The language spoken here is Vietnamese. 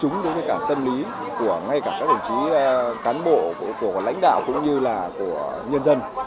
chúng đối với cả tâm lý của ngay cả các đồng chí cán bộ của lãnh đạo cũng như là của nhân dân